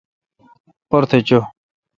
پرتھ چو۔